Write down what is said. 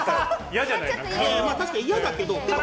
確かに嫌だけど。